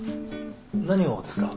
何をですか？